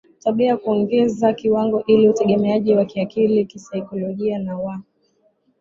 tabia ya kuongeza kiwango iii utegemeaji wa kiakili kisaikolojia na wa